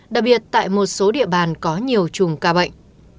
đặc biệt tại một số địa bàn có nhiều chùm ca bệnh